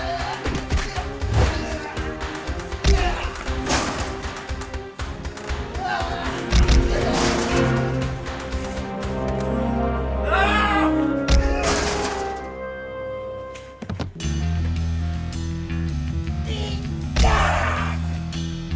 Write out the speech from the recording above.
gantian sebentar patroli di dalam